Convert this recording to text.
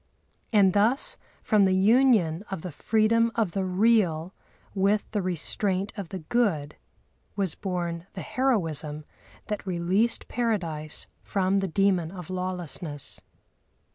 And thus, from the union of the freedom of the real with the restraint of the Good, was born the heroism that released Paradise from the demon of Lawlessness.